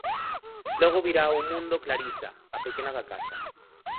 Logo virá ao mundo Clarisa, a pequena da casa.